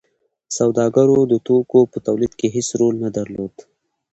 سوداګرو د توکو په تولید کې هیڅ رول نه درلود.